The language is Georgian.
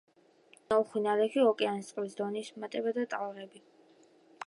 ესენია უხვი ნალექი ოკეანის წყლის დონის მატება და ტალღები.